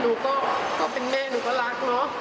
หนูก็เป็นแม่หนูก็รักเนอะ